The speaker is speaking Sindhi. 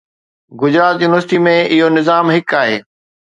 گجرات يونيورسٽي ۾ اهو نظام هڪ آهي